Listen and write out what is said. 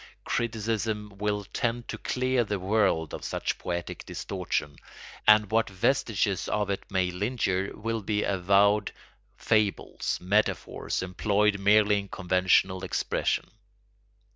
Criticism will tend to clear the world of such poetic distortion; and what vestiges of it may linger will be avowed fables, metaphors employed merely in conventional expression.